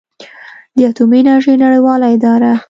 د اټومي انرژۍ نړیواله اداره